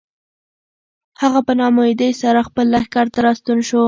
هغه په ناامیدۍ سره خپل لښکر ته راستون شو.